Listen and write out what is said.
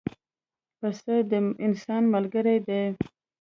پسه د انسان ملګری دی.